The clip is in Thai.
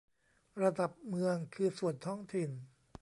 ระดับเมืองคือส่วนท้องถิ่น